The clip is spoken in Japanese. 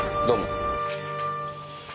どうも。